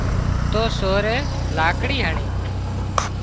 تو سورئي لاڪڙي هڻي